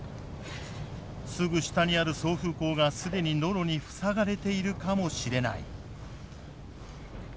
すぐ下にある送風口が既にノロに塞がれているかもしれない。